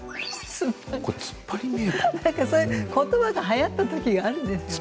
そういう言葉がはやった時があるんです。